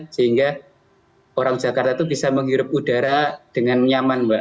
sehingga orang jakarta itu bisa menghirup udara dengan nyaman mbak